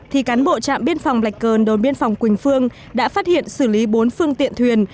thì cán bộ trạm biên phòng lạch cơn đồn biên phòng quỳnh phương đã phát hiện xử lý bốn phương tiện thuyền